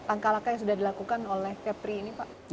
angka laka yang sudah dilakukan oleh kepri ini pak